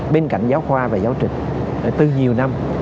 bên cạnh giáo khoa và giáo trình từ nhiều năm